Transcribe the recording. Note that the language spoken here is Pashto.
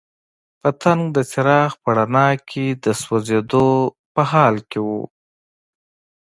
پتنګ د څراغ په رڼا کې د سوځېدو په حال کې وو.